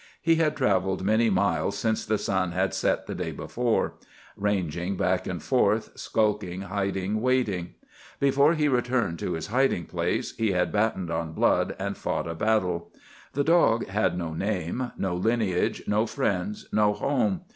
He had travelled many miles since the sun had set the day before; ranging back and forth, skulking, hiding, waiting. Before he returned to his hiding place he had battened on blood and fought a battle. The dog had no name, no lineage, no friends, no home.